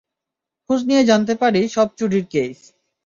খোঁজ নিয়ে জানতে পারি, সব চুরির কেইস।